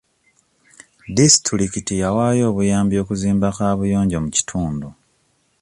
Disitulikiti yawaayo obuyambi okuzimba kaabuyonjo mu kitundu.